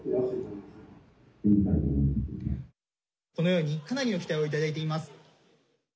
このようにかなりの期待を頂いています。